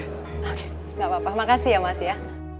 oke gak apa apa makasih ya mas ya